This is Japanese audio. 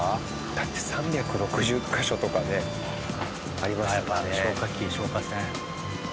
だって３６０カ所とかでありましたもんね。やっぱ消火器消火栓。